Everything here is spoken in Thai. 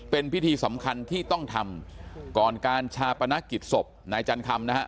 เป็นพิธีสำคัญที่ต้องทำก่อนการชาปนกิจศพนายจันคำนะฮะ